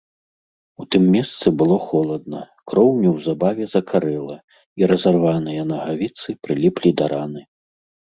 У тым месцы было холадна, кроў неўзабаве закарэла, і разарваныя нагавіцы прыліплі да раны.